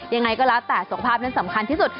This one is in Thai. ยังไงก็แล้วแต่สุขภาพนั้นสำคัญที่สุด